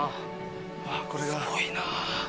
すごいな。